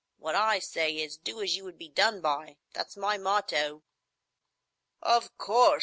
What I say is, 'Do as you would be done by.' That's my motto." "Of course!